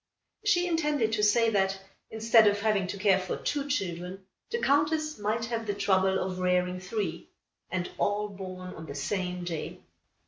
She intended to say that, instead of having to care for two children, the Countess might have the trouble of rearing three, and all born on the same day.